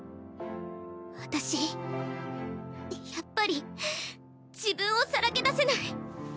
私やっぱり自分をさらけ出せない！